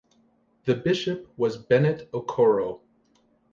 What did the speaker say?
The Bishop was Bennett Okoro.